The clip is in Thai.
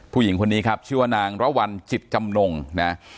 ผู้หญิงคนนี้ครับชื่อว่านางระวัลจิตจำนงนะ